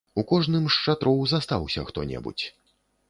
У кожным з шатроў застаўся хто-небудзь.